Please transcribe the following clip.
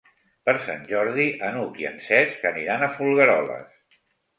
Per Sant Jordi n'Hug i en Cesc aniran a Folgueroles.